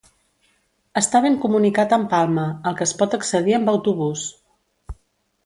Està ben comunicat amb Palma, al que es pot accedir amb autobús.